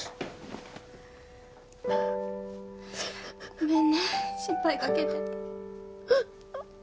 ごめんね心配かけて。